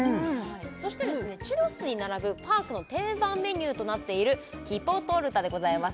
そしてチュロスに並ぶパークの定番メニューとなっているティポトルタでございます